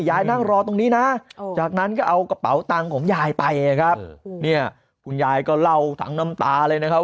นั่งรอตรงนี้นะจากนั้นก็เอากระเป๋าตังค์ของยายไปครับเนี่ยคุณยายก็เล่าทั้งน้ำตาเลยนะครับ